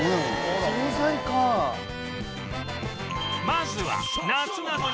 まずは